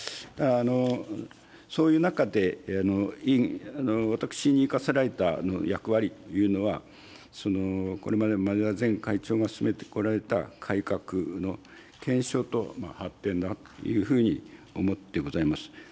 そういう中で、私に課せられた役割というのは、これまでも前田前会長が進めてこられた改革の検証と発展だというふうに思ってございます。